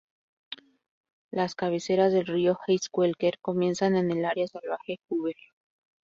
Las cabeceras del río East Walker comienzan en el área salvaje Hoover.